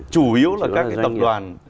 chủ yếu là các tập đoàn